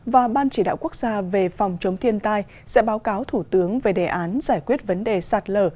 và ban chỉ đạo quốc gia về phòng chống thiên tai sẽ báo cáo thủ tướng về đề án giải quyết vấn đề sạt lở